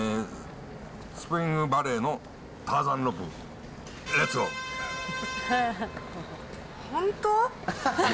スプリングバレーのターザンロープ、ほんと？